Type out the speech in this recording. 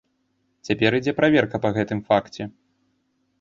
Цяпер ідзе праверка па гэтым факце.